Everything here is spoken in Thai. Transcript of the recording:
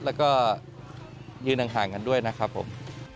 แล้วก็ยืนห่างกันด้วยนะครับผม